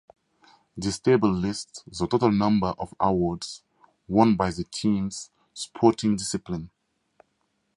This table lists the total number of awards won by the teams sporting discipline.